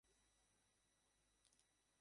অনেক কথা জান তুমি, অনেকের নামধাম।